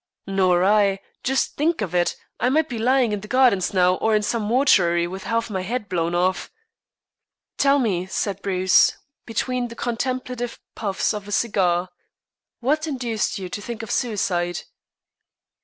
"Nor I. Just think of it. I might be lying in the gardens now, or in some mortuary, with half my head blown off." "Tell me," said Bruce, between the contemplative puffs of a cigar, "what induced you to think of suicide?"